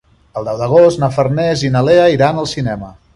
El deu d'agost na Farners i na Lea iran al cinema.